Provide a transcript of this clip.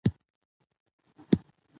کار مهارتونه پیاوړي کوي.